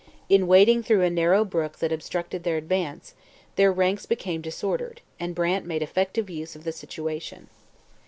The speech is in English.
In wading through a narrow brook that obstructed their advance, their ranks became disordered, and Brant made effective use of the situation.